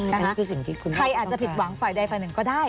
ใครอาจจะผิดหวังฝ่ายใดฝ่ายหนึ่งก็ได้